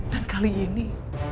dan kali ini